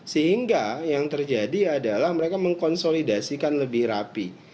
sehingga yang terjadi adalah mereka mengkonsolidasikan lebih rapi